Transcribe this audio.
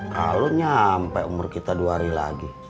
kalau nyampe umur kita dua hari lagi